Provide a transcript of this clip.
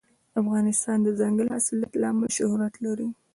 افغانستان د دځنګل حاصلات له امله شهرت لري.